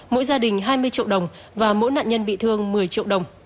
mỗi gia đình hai mươi triệu đồng và mỗi nạn nhân bị thương một mươi triệu đồng